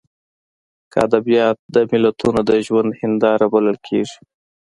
که ادبیات د ملتونو د ژوند هینداره بلل کېږي.